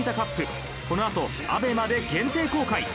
このあと ＡＢＥＭＡ で限定公開！